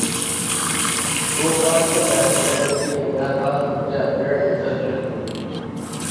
بۇ قائىدىنىڭ نەدىن كەلگەنلىكىنى ھازىرغىچە بىرەر ئىنسان چۈشەندۈرمىدى.